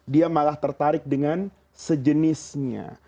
dia malah tertarik dengan sejenisnya